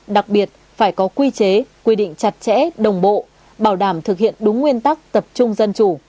đặc biệt phải có quy chế quy định chặt chẽ đồng bộ bảo đảm thực hiện đúng nguyên tắc tập trung dân chủ